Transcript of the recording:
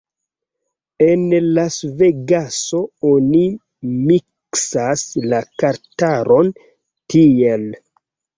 En Lasvegaso oni miksas la kartaron tiel